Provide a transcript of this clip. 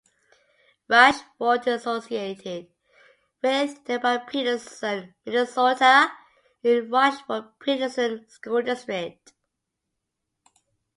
Rushford is associated with nearby Peterson, Minnesota in Rushford-Peterson School District.